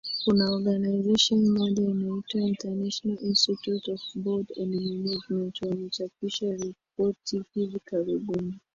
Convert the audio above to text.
kuna organization moja inaitwa international institute of board and management wamechapisha ripoti hivi karibuni